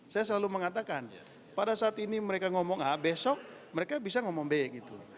saya selalu mengatakan pada saat ini mereka ngomong a besok mereka bisa ngomong b gitu